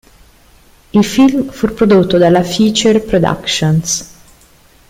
Il film fu prodotto dalla Feature Productions.